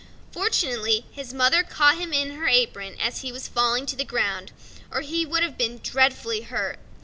Fortunately his mother caught him in her apron as he was falling to the ground, or he would have been dreadfully hurt.